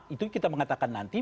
itu kita mengatakan nanti